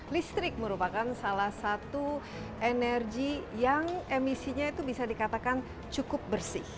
listrik merupakan salah satu energi yang emisinya itu bisa dikatakan cukup bersih